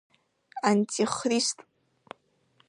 Антихрист!